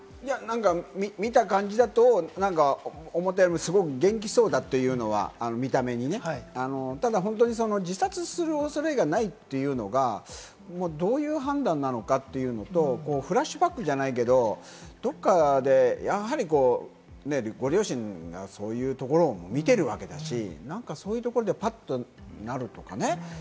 見た感じだと元気そうだというのは見た目にね、自殺する恐れがないというのが、どういう判断なのかというのと、フラッシュバックじゃないけれども、どっかでやはりご両親がそういうところも見ているわけだし、ぱっとなるとかね。